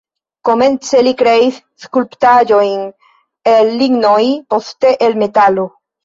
Komence li kreis skulptaĵojn el lignoj, poste el metaloj.